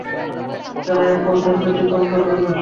তারা এ পন্থার ব্যতিক্রম করবে না।